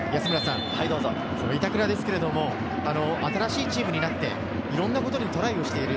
板倉ですけど、新しいチームになって、いろんなことにトライしている。